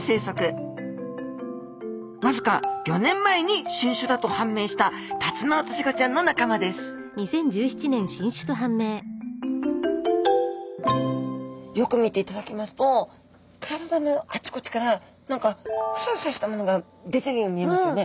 わずか５年前に新種だと判明したタツノオトシゴちゃんの仲間ですよく見ていただきますと体のあちこちから何かフサフサしたものが出ているように見えますよね。